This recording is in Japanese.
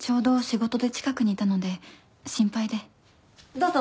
どうぞ。